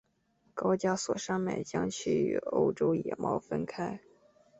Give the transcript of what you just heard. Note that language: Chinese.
高加索山脉将其与欧洲野猫分开。